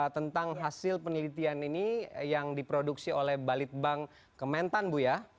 tentang hasil penelitian ini yang diproduksi oleh balitbank kementan bu ya